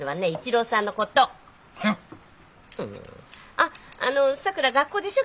あっさくら学校でしょ？